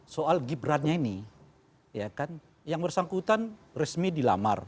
soal gibran nya ini yang bersangkutan resmi dilamar